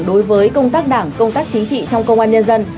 đối với công tác đảng công tác chính trị trong công an nhân dân